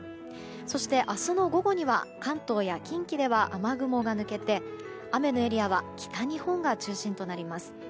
そして明日の午後には関東や近畿では雨雲が抜けて雨のエリアは北日本が中心となります。